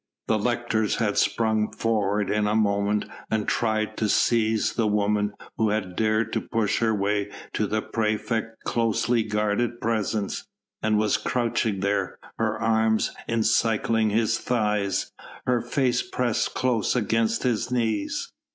The lictors had sprung forward in a moment and tried to seize the woman who had dared to push her way to the praefect's closely guarded presence, and was crouching there, her arms encircling his thighs, her face pressed close against his knees.